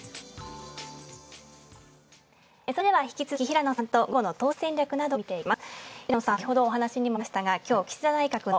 それでは引き続き平野さんと午後の投資戦略などを見ていきます。